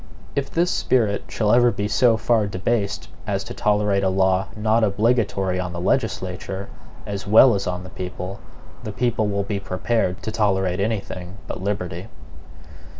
If this spirit shall ever be so far debased as to tolerate a law not obligatory on the legislature, as well as on the people, the people will be prepared to tolerate any thing but liberty.